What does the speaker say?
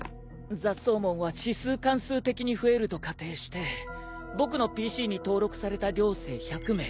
ザッソーモンは指数関数的に増えると仮定して僕のＰＣに登録された寮生１００名。